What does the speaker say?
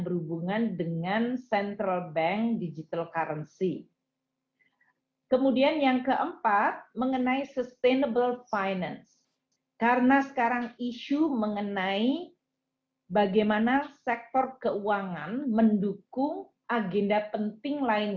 berhubungan dengan central bank digital currency kemudian yang keempat mengenai